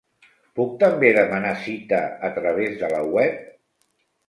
Puc també demanar cita a través de la web?